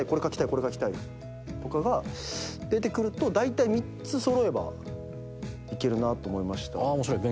これ書きたいとかが出てくるとだいたい３つ揃えばいけるなと思いました。